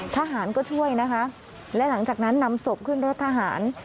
ทหารก็ช่วยนะคะและหลังจากนั้นนำศพขึ้นรถทหาร